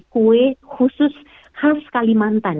kue khusus khas kalimantan